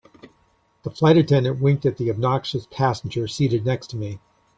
The flight attendant winked at the obnoxious passenger seated next to me.